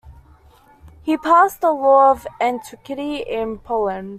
He passed the law of antiquity in Poland.